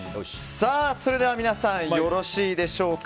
それでは皆さんよろしいでしょうか。